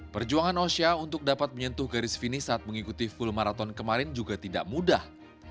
perjuangan osha untuk dapat menyentuh garis finish saat mengikuti full maraton kemarin juga tidak mudah